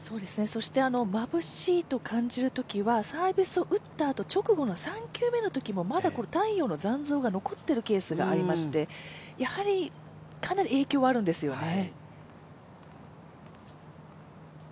そしてまぶしいと感じるときは、サービスを打ったあと直後の３球目のときもまだ太陽の残像が残っているケースがありましてやはりかなり影響はあるんですよね。